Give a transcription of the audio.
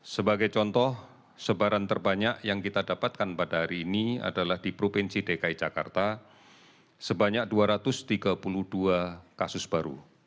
sebagai contoh sebaran terbanyak yang kita dapatkan pada hari ini adalah di provinsi dki jakarta sebanyak dua ratus tiga puluh dua kasus baru